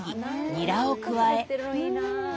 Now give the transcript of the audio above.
ニラを加え。